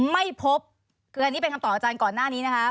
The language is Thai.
ไม่พบคืออันนี้เป็นคำตอบอาจารย์ก่อนหน้านี้นะคะ